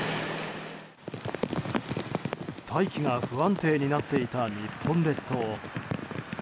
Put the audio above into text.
大気が不安定になっていた日本列島。